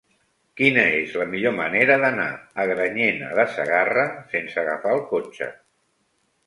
Quina és la millor manera d'anar a Granyena de Segarra sense agafar el cotxe?